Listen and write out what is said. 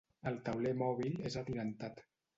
El tauler mòbil és atirantat.